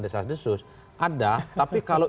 desas desus ada tapi kalau